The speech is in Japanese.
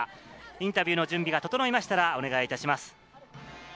インタビューの準備が整いましたらお願いいたします。